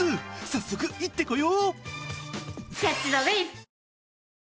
早速行ってこよう！